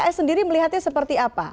pks sendiri melihatnya seperti apa